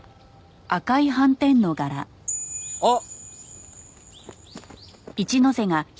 あっ！